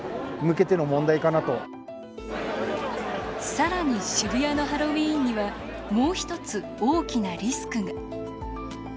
さらに渋谷のハロウィーンにはもう一つ、大きなリスクが。